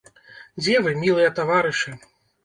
Дзе вы, мілыя таварышы?